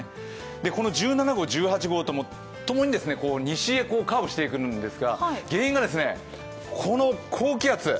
この１７号、１８号共に西へカーブしてくるんですが、原因が、この高気圧。